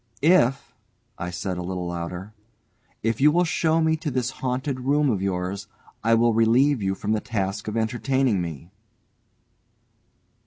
"If," I said a little louder, "if you will show me to this haunted room of yours, I will relieve you from the task of entertaining me."